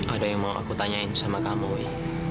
ada yang mau aku tanyain sama kamu